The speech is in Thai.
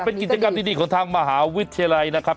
เป็นกิจกรรมดีของทางมหาวิทยาลัยนะครับ